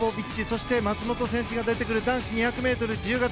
そして、松元選手が出てくる男子２００ｍ自由形。